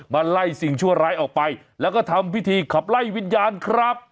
มาไล่สิ่งชั่วร้ายออกไปแล้วก็ทำพิธีขับไล่วิญญาณครับ